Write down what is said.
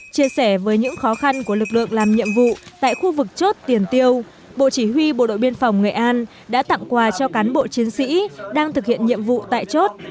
chia sẻ với những khó khăn của lực lượng làm nhiệm vụ tại khu vực chốt tiền tiêu bộ chỉ huy bộ đội biên phòng nghệ an đã tặng quà cho cán bộ chiến sĩ đang thực hiện nhiệm vụ tại chốt